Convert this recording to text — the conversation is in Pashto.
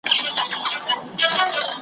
سوله د خوشحالۍ سبب کېږي.